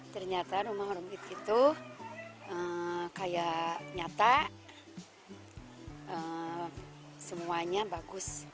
ternyata rumah rumah itu kayak nyata semuanya bagus